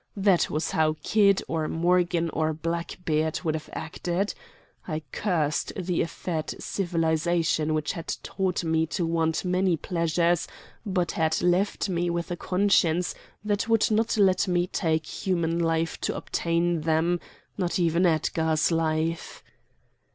That was how Kidd, or Morgan, or Blackbeard would have acted. I cursed the effete civilization which had taught me to want many pleasures but had left me with a conscience that would not let me take human life to obtain them, not even Edgar's life.